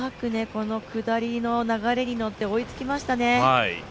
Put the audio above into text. この下りの流れに乗って追いつきましたね。